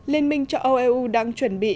liên minh cho eu đang chuẩn bị